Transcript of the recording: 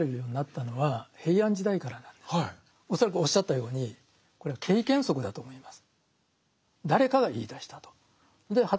恐らくおっしゃったようにこれは経験則だと思います。